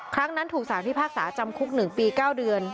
ครั้งนั้นถูกสารพิพากษาจำคุก๑ปี๙เดือน